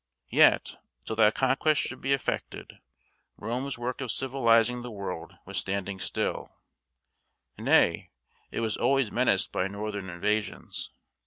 Yet, till that conquest should be effected, Rome's work of civilizing the world was standing still; nay, it was always menaced by northern invasions.